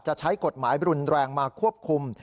จะใช้กฎหมายรุนแรงมาควบคุม